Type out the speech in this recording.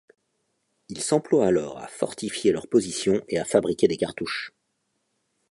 Ils s'emploient alors à fortifier leurs positions et à fabriquer des cartouches.